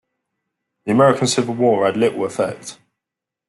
The American Civil War had little effect.